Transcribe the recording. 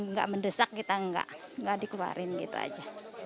agak mendesak kita enggak dikeluarin gitu aja